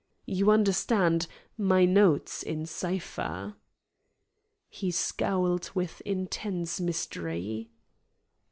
"You understand, my notes in cipher." He scowled with intense mystery.